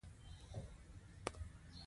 ښکلا بې له نازه د هغه ګلاب په شان ده.